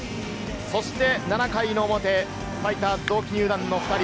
そして７回の表、ファイターズ同期入団の２人。